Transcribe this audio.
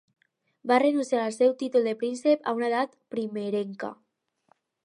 Va renunciar al seu títol de príncep a una edat primerenca.